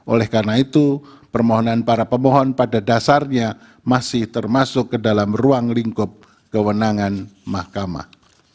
oleh karena itu permohonan para pemohon pada dasarnya masih termasuk ke dalam ruang lingkup kewenangan mahkamah